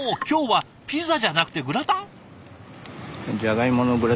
今日はピザじゃなくてグラタン？